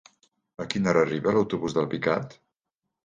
A quina hora arriba l'autobús d'Alpicat?